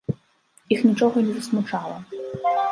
Іх нічога не засмучала!